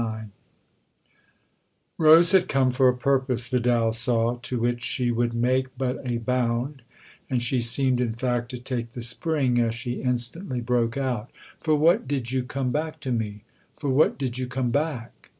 XXIX ROSE had come for a purpose, Vidal saw, to which she would make but a bound, and she seemed in fact to take the spring as she instantly broke out :" For what did you come back to me ? for what did you come back